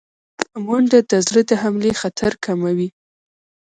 منډه د زړه د حملې خطر کموي